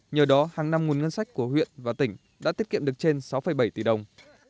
nhờ đó hàng năm nguồn ngân sách của huyện và tỉnh đã tiết kiệm được trên sáu bảy tỷ đồng